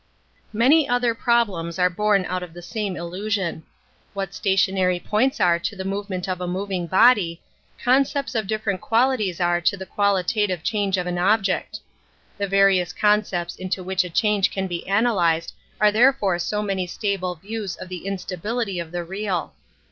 Many other problems are born of the same illusion. What stationary points are to the movement of a moving body, concepts \n Introduction to ■ I / of different qualities are to the qualitative I A^^ change of an object. The various concepts into which a change can be analyzed are therefore so many stable views of the in stability of the real.